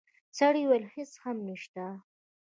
سړی وویل: هیڅ هم نشته.